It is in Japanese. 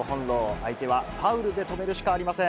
相手はファウルで止めるしかありません。